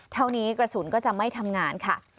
เท่านี้กระสุนก็จะไม่ทำงานค่ะ